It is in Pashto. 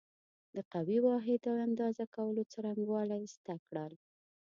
د قوې واحد او اندازه کولو څرنګوالی زده کړل.